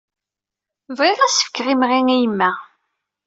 Bɣiɣ ad as-fkeɣ imɣi i yemma.